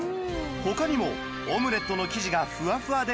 他にも「オムレットの生地がふわふわでおいしい！」